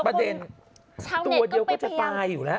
ประเด็นตัวเดียวก็จะตายอยู่แล้ว